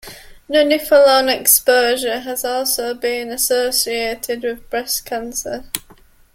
Nonylphenol exposure has also been associated with breast cancer.